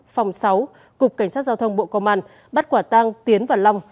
phòng sáu cục cảnh sát giao thông bộ công an bắt quả tang tiến và long